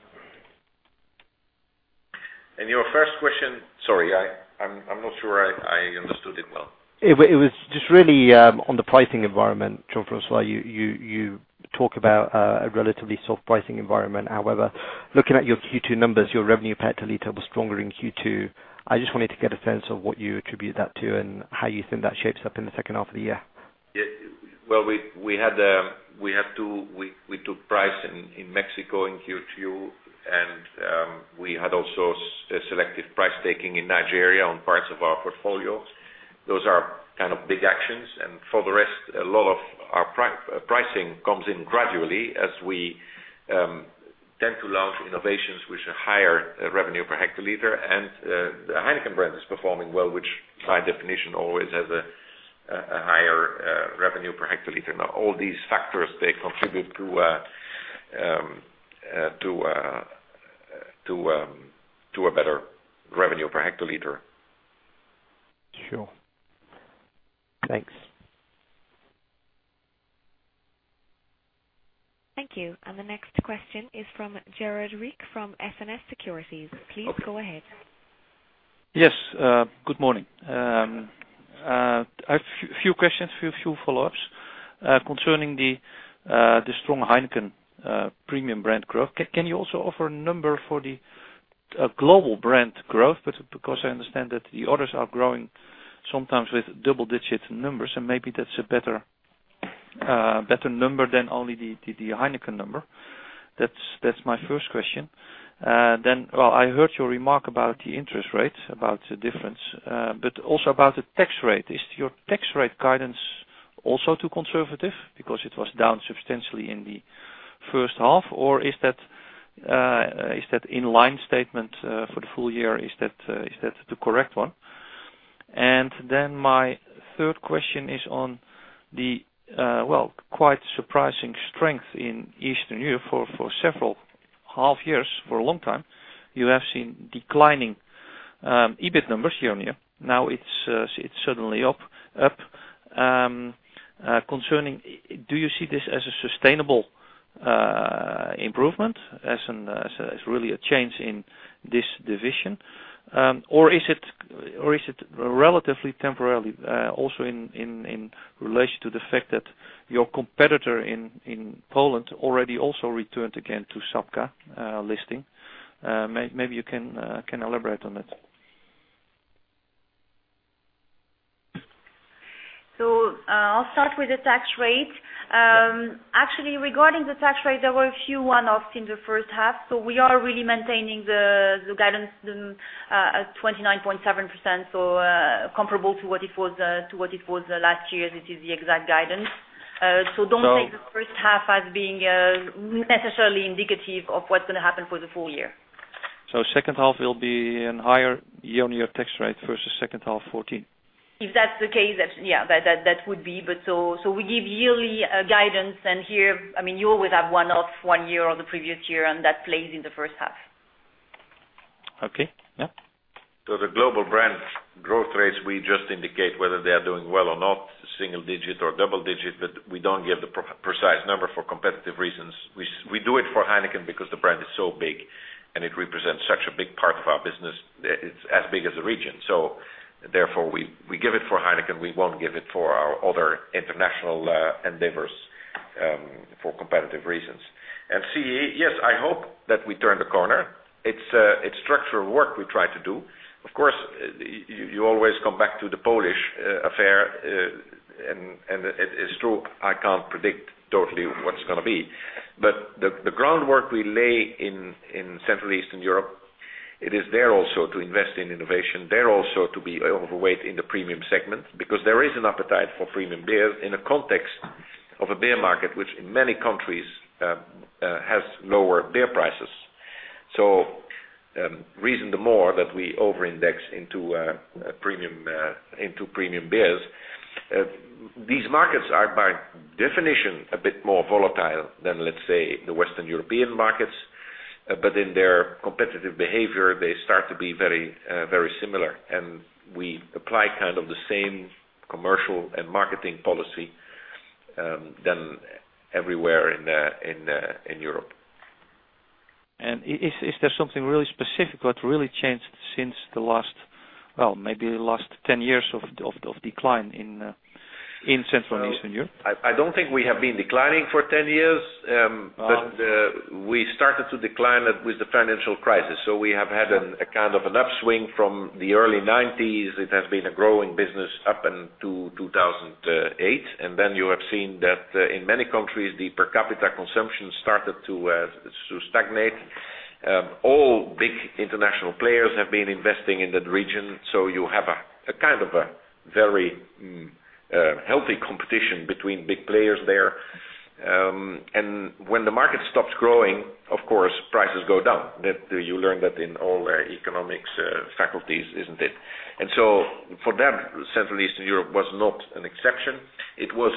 Your first question. Sorry, I'm not sure I understood it well. It was just really on the pricing environment, Jean-François. You talk about a relatively soft pricing environment. However, looking at your Q2 numbers, your revenue per hectoliter was stronger in Q2. I just wanted to get a sense of what you attribute that to and how you think that shapes up in the second half of the year. Well, we took price in Mexico in Q2, and we had also selective price taking in Nigeria on parts of our portfolio. Those are big actions, and for the rest, a lot of our pricing comes in gradually as we tend to launch innovations which are higher revenue per hectoliter. The Heineken brand is performing well, which by definition always has a higher revenue per hectoliter. Now, all these factors, they contribute to a better revenue per hectoliter. Sure. Thanks. Thank you. The next question is from Gerard Riek from SNS Securities. Please go ahead. Good morning. I have a few questions, a few follow-ups. Concerning the strong Heineken premium brand growth, can you also offer a number for the global brand growth? Because I understand that the orders are growing sometimes with double-digit numbers, and maybe that's a better number than only the Heineken number. That's my first question. I heard your remark about the interest rates, about the difference, but also about the tax rate. Is your tax rate guidance also too conservative because it was down substantially in the first half? Or is that in line statement for the full year, is that the correct one? My third question is on the quite surprising strength in Eastern Europe for several half years, for a long time. You have seen declining EBIT numbers year-on-year. Now it's suddenly up. Do you see this as a sustainable improvement, as really a change in this division? Or is it relatively temporary, also in relation to the fact that your competitor in Poland already also returned again to Żubr listing? Maybe you can elaborate on it. I'll start with the tax rate. Actually, regarding the tax rate, there were a few one-offs in the first half, we are really maintaining the guidance at 29.7%, comparable to what it was the last year. This is the exact guidance. Don't take the first half as being necessarily indicative of what's going to happen for the full year. Second half will be an higher year-on-year tax rate versus second half 2014. If that's the case, yeah, that would be. We give yearly guidance and here, you always have one-off one year or the previous year, and that plays in the first half. Okay. Yeah. The global brand growth rates, we just indicate whether they are doing well or not, single digit or double digit, but we don't give the precise number for competitive reasons. We do it for Heineken because the brand is so big and it represents such a big part of our business. It's as big as a region. Therefore, we give it for Heineken. We won't give it for our other international endeavors for competitive reasons. C, yes, I hope that we turn the corner. It's structural work we try to do. Of course, you always come back to the Polish affair, and it's true, I can't predict totally what's going to be. The groundwork we lay in Central Eastern Europe, it is there also to invest in innovation. They're also to be overweight in the premium segment because there is an appetite for premium beer in the context of a beer market, which in many countries has lower beer prices. Reason the more that we over index into premium beers. These markets are, by definition, a bit more volatile than, let's say, the Western European markets. In their competitive behavior, they start to be very similar. We apply the same commercial and marketing policy than everywhere in Europe. Is there something really specific that really changed since the last, well, maybe the last 10 years of decline in Central and Eastern Europe? I don't think we have been declining for 10 years. Oh. We started to decline with the financial crisis. We have had an upswing from the early 1990s. It has been a growing business up until 2008. Then you have seen that in many countries, the per capita consumption started to stagnate. All big international players have been investing in that region, so you have a very a healthy competition between big players there. When the market stops growing, of course, prices go down. You learn that in all economics faculties, isn't it? For them, Central Eastern Europe was not an exception. It was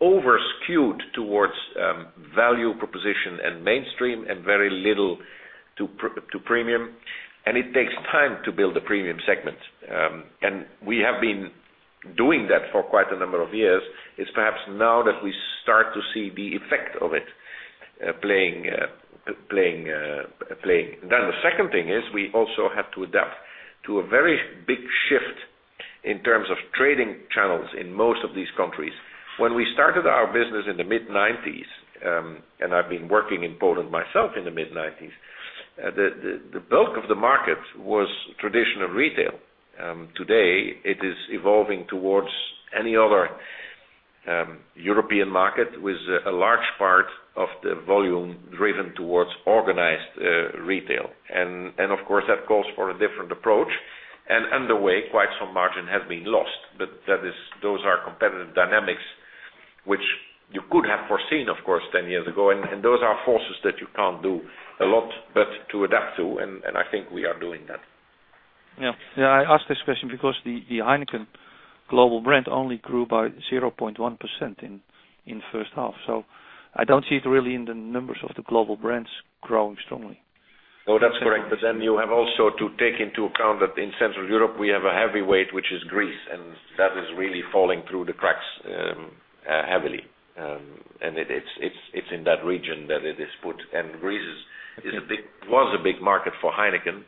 overskewed towards value proposition and mainstream and very little to premium. It takes time to build a premium segment. We have been doing that for quite a number of years. It's perhaps now that we start to see the effect of it playing. The second thing is we also have to adapt to a very big shift in terms of trading channels in most of these countries. When we started our business in the mid-1990s, and I've been working in Poland myself in the mid-1990s, the bulk of the market was traditional retail. Today, it is evolving towards any other European market with a large part of the volume driven towards organized retail. Of course, that calls for a different approach. Underway, quite some margin has been lost. Those are competitive dynamics, which you could have foreseen, of course, 10 years ago. Those are forces that you can't do a lot but to adapt to, and I think we are doing that. I ask this question because the Heineken global brand only grew by 0.1% in the first half. I don't see it really in the numbers of the global brands growing strongly. That's correct. You have also to take into account that in Central Europe we have a heavyweight, which is Greece, and that is really falling through the cracks heavily. It's in that region that it is put. Greece was a big market for Heineken,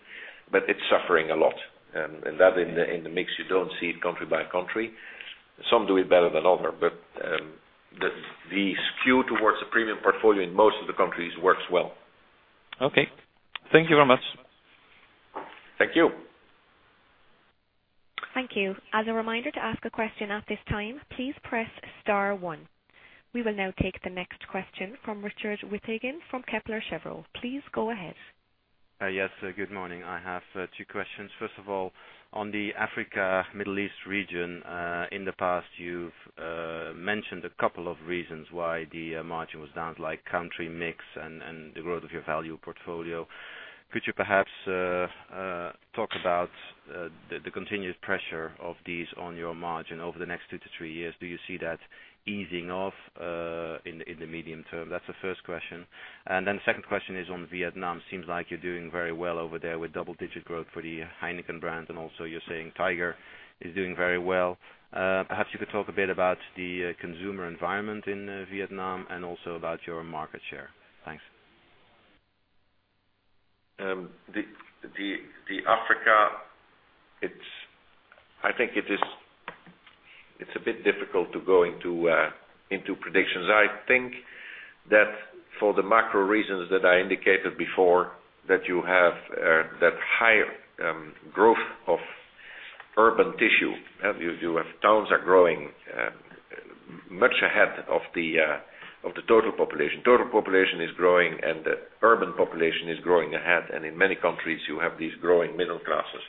but it's suffering a lot. That in the mix, you don't see it country by country. Some do it better than other, but the skew towards the premium portfolio in most of the countries works well. Okay. Thank you very much. Thank you. Thank you. As a reminder to ask a question at this time, please press star one. We will now take the next question from Richard Witteveen from Kepler Cheuvreux. Please go ahead. Yes, good morning. I have two questions. First of all, on the Africa, Middle East region. In the past, you've mentioned a couple of reasons why the margin was down, like country mix and the growth of your value portfolio. Could you perhaps talk about the continuous pressure of these on your margin over the next two to three years? Do you see that easing off in the medium term? That's the first question. Second question is on Vietnam. Seems like you're doing very well over there with double-digit growth for the Heineken brand. Also you're saying Tiger is doing very well. Perhaps you could talk a bit about the consumer environment in Vietnam and also about your market share. Thanks. The Africa, I think it's a bit difficult to go into predictions. I think that for the macro reasons that I indicated before, that you have that higher growth of urban tissue. You have towns are growing much ahead of the total population. Total population is growing and the urban population is growing ahead. In many countries, you have these growing middle classes.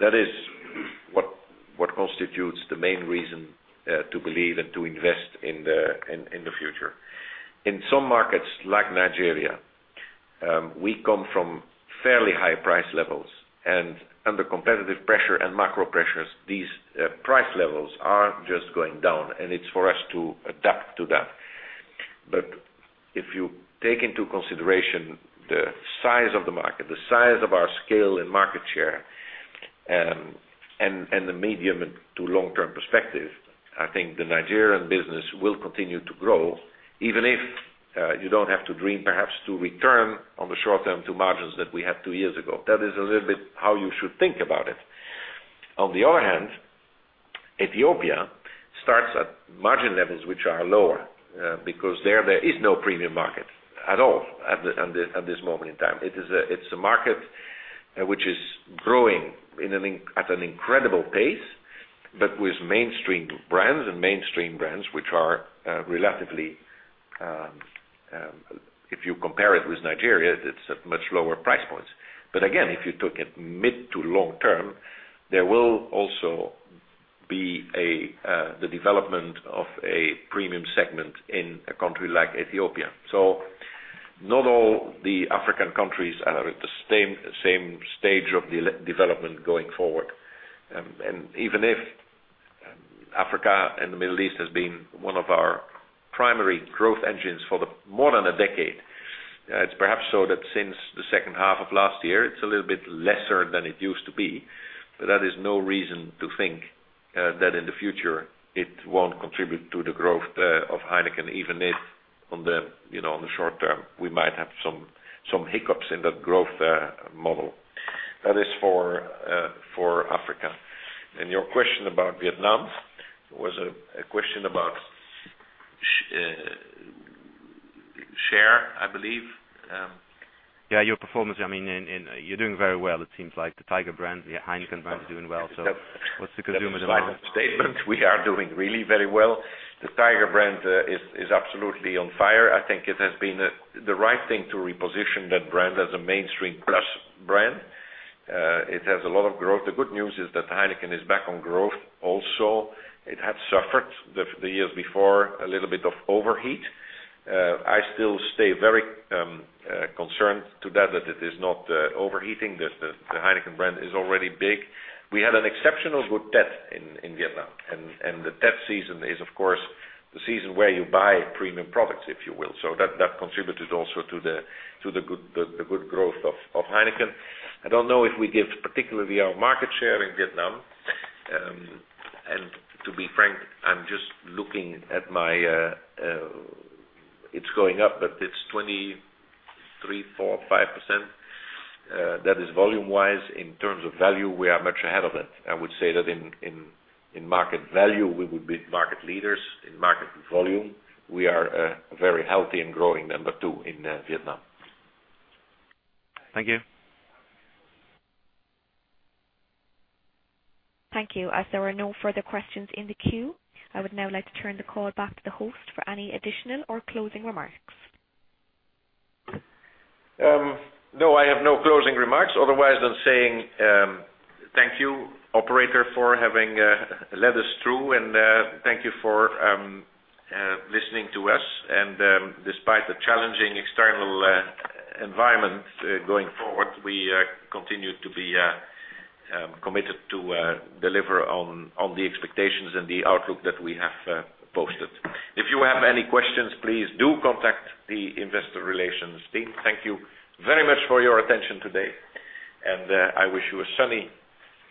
That is what constitutes the main reason to believe and to invest in the future. In some markets like Nigeria, we come from fairly high price levels and under competitive pressure and macro pressures, these price levels are just going down, and it's for us to adapt to that. If you take into consideration the size of the market, the size of our scale and market share, and the medium to long-term perspective, I think the Nigerian business will continue to grow. Even if you don't have to dream, perhaps to return on the short term to margins that we had 2 years ago. That is a little bit how you should think about it. Ethiopia starts at margin levels which are lower because there is no premium market at all at this moment in time. It's a market which is growing at an incredible pace, but with mainstream brands and mainstream brands which are relatively, if you compare it with Nigeria, it's at much lower price points. If you took it mid to long term, there will also be the development of a premium segment in a country like Ethiopia. Not all the African countries are at the same stage of development going forward. Even if Africa and the Middle East has been one of our primary growth engines for more than a decade, it's perhaps so that since the second half of last year, it's a little bit lesser than it used to be. That is no reason to think that in the future it won't contribute to the growth of Heineken, even if on the short term, we might have some hiccups in that growth model. That is for Africa. Your question about Vietnam was a question about share, I believe. Yeah, your performance. You're doing very well, it seems like. The Tiger brand, the Heineken brand is doing well. What's the consumer demand? That's a slight statement. We are doing really very well. The Tiger brand is absolutely on fire. I think it has been the right thing to reposition that brand as a mainstream plus brand. It has a lot of growth. The good news is that Heineken is back on growth also. It had suffered the years before, a little bit of overheat. I still stay very concerned today that it is not overheating, that the Heineken brand is already big. We had an exceptional good Tet in Vietnam, and the Tet season is, of course, the season where you buy premium products, if you will. That contributed also to the good growth of Heineken. I don't know if we give particularly our market share in Vietnam. To be frank, it's going up, but it's 23%, 24%, 25%. That is volume-wise. In terms of value, we are much ahead of it. I would say that in market value, we would be market leaders. In market volume, we are a very healthy and growing number 2 in Vietnam. Thank you. Thank you. As there are no further questions in the queue, I would now like to turn the call back to the host for any additional or closing remarks. No, I have no closing remarks otherwise than saying thank you, operator, for having led us through. Thank you for listening to us. Despite the challenging external environment going forward, we continue to be committed to deliver on the expectations and the outlook that we have posted. If you have any questions, please do contact the investor relations team. Thank you very much for your attention today, and I wish you a sunny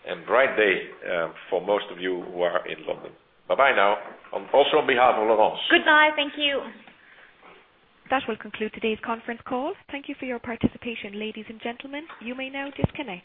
and bright day for most of you who are in London. Bye-bye now, also on behalf of Laurence. Goodbye. Thank you. That will conclude today's conference call. Thank you for your participation, ladies and gentlemen. You may now disconnect.